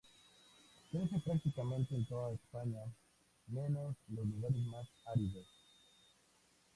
Crece prácticamente en toda España menos los lugares más áridos.